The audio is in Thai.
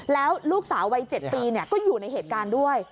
แล้วลูกสาววัย๗ปีก็อยู่ในเหตุการณ์ด้วย